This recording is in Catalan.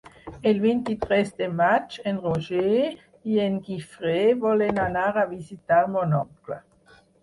El vint-i-tres de maig en Roger i en Guifré volen anar a visitar mon oncle.